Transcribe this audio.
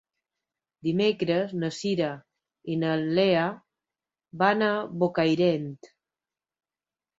Dimecres na Cira i na Lea van a Bocairent.